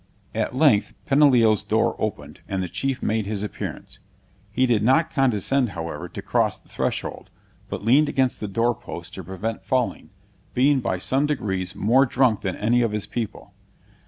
At length Peneleo's door opened, and the chief made his appearance; he did not condescend, however, to cross the threshold, but leaned against the door post to prevent falling, being by some degrees more drunk than any of his people.